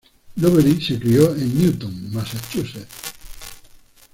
Lowery se crio en Newton, Massachusetts.